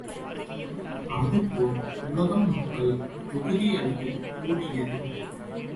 அதுபோல் உலகம் மக்கள் தொகுதி அளவில் கூடியது.